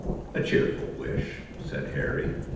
"A cheerful wish," said Harry.